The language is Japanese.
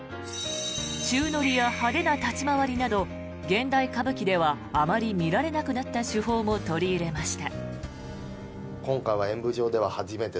宙乗りや派手な立ち回りなど現代歌舞伎ではあまり見られなくなった手法も取り入れました。